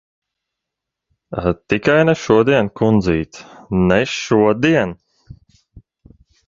Tikai ne šodien, kundzīt. Ne šodien!